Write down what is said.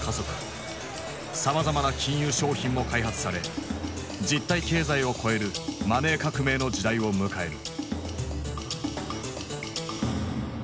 さまざまな金融商品も開発され実体経済を超える「マネー革命」の時代を迎える。